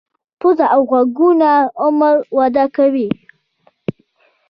پوزه او غوږونه عمر وده کوي.